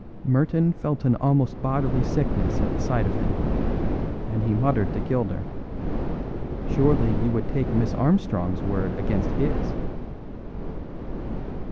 Merton felt an almost bodily sickness at the sight of him; and he muttered to Gilder: "Surely you would take Miss Armstrong's word against his?"